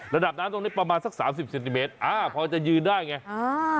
ระดับน้ำตรงนี้ประมาณสัก๓๐เซนติเมตรพอจะยืนได้อย่างนี้